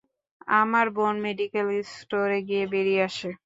আমার বোন মেডিকেল স্টোরে গিয়ে বেরিয়ে আসে।